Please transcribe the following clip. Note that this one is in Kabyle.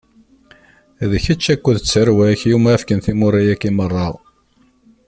D kečč akked tarwa-k iwumi ara fkeɣ timura-agi meṛṛa.